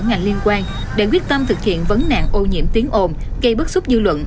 ngành liên quan để quyết tâm thực hiện vấn nạn ô nhiễm tiếng ồn gây bức xúc dư luận